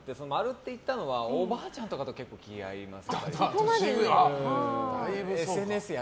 ○って言ったのはおばあちゃんとかと気が合います。